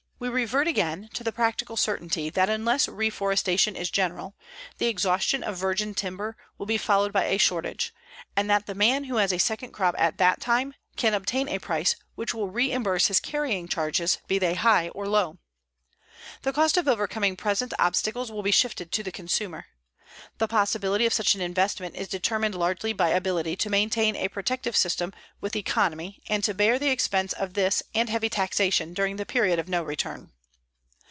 We revert again to the practical certainty that unless reforestation is general, the exhaustion of virgin timber will be followed by a shortage, and that the man who has a second crop at that time can obtain a price which will reimburse his carrying charges be they high or low. The cost of overcoming present obstacles will be shifted to the consumer. The possibility of such an investment is determined largely by ability to maintain a protective system with economy and to bear the expense of this and of heavy taxation during the period of no return.